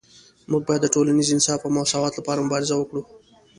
موږ باید د ټولنیز انصاف او مساوات لپاره مبارزه وکړو